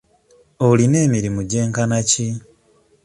Olina emirimu gyenkana ki?